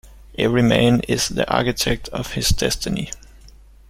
Every man is the architect of his destiny.